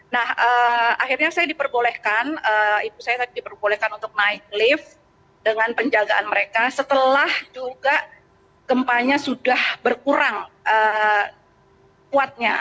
nah akhirnya saya diperbolehkan ibu saya tadi diperbolehkan untuk naik lift dengan penjagaan mereka setelah juga gempanya sudah berkurang kuatnya